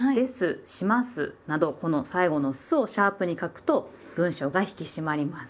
「します」などこの最後の「す」をシャープに書くと文章が引き締まります。